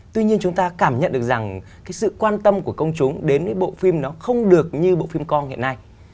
tuy nhiên chúng ta cảm nhận được rằng sự quan tâm của công chúng đến bộ phim nó không được như bộ phim con hiện nay